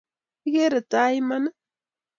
Ikere tai iman ii?